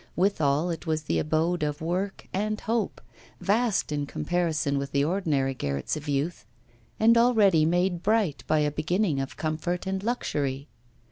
Withal, it was the abode of work and hope, vast in comparison with the ordinary garrets of youth, and already made bright by a beginning of comfort and luxury.